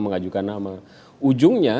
mengajukan nama ujungnya